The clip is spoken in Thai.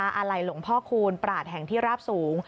อาลัยหลวงพ่อคูณปราศแห่งที่ราบสูง